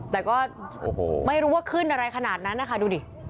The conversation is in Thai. แต่ก็ไม่รู้ว่าขึ้นอะไรขนาดนั้นนะคะดูดิ